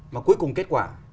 mà cuối cùng kết quả